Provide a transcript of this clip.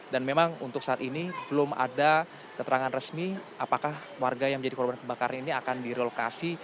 dan memang untuk saat ini belum ada keterangan resmi apakah warga yang menjadi korban kebakaran ini akan direlokasi